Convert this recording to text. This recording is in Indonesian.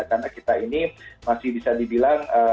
karena kita ini masih bisa dibilang